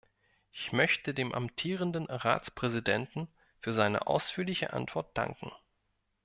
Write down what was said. Ich möchte dem amtierenden Ratspräsidenten für seine ausführliche Antwort danken.